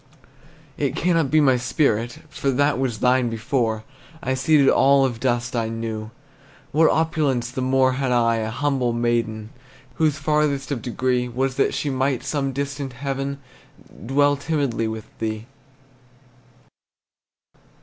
It cannot be my spirit, For that was thine before; I ceded all of dust I knew, What opulence the more Had I, a humble maiden, Whose farthest of degree Was that she might, Some distant heaven, Dwell timidly with thee!